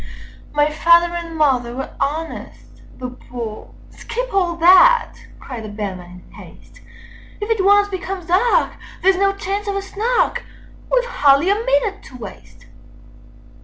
"My father and mother were honest, though poor—" Â Â Â Â "Skip all that!" cried the Bellman in haste. "If it once becomes dark, there's no chance of a Snark— Â Â Â Â We have hardly a minute to waste!"